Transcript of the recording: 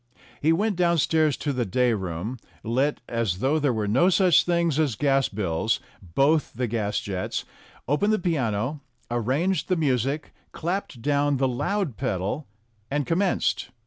He went downstairs to the day room, lit (as though there were no such things as gas bills) both the gas jets, opened the piano, arranged the music, clapped down the loud pedal, and commenced.